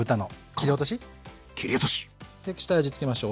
切り落とし！で下味付けましょう。